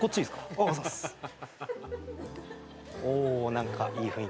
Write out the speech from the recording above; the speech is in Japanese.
お何かいい雰囲気ですね。